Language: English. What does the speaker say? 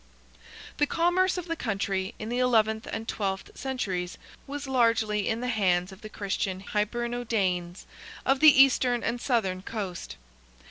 The commerce of the country, in the eleventh and twelfth centuries, was largely in the hands of the Christian Hiberno Danes, of the eastern and southern coast.